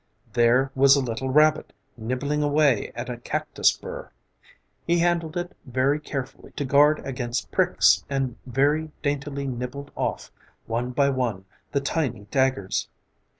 There was a little rabbit nibbling away at a cactus burr. He handled it very carefully to guard against pricks and very daintily nibbled off, one by one, the tiny daggers.